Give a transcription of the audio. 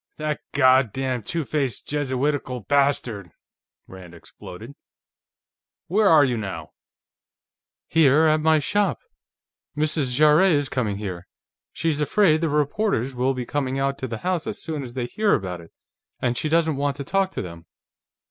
"That God damned two faced Jesuitical bastard!" Rand exploded. "Where are you now?" "Here at my shop. Mrs. Jarrett is coming here. She's afraid the reporters will be coming out to the house as soon as they hear about it, and she doesn't want to talk to them."